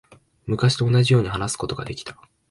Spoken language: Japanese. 昔と同じように話すことができた。